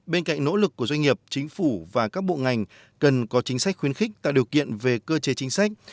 bên cạnh nỗ lực của doanh nghiệp chính phủ và các bộ ngành cần có chính sách khuyến khích tạo điều kiện về cơ chế chính sách